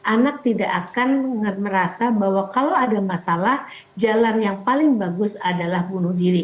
anak tidak akan merasa bahwa kalau ada masalah jalan yang paling bagus adalah bunuh diri